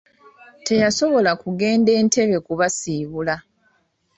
Teyasobola kugenda Entebbe kubasiibula.